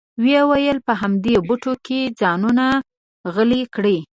وې ویل په همدې بوټو کې ځانونه غلي کړئ.